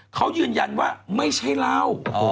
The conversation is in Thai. เขายืนยันว่าไม่ใช่เหล้า